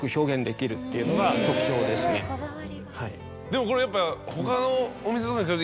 でもこれやっぱ。